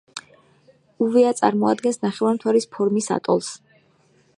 უვეა წარმოადგენს ნახევარმთვარის ფორმის ატოლს.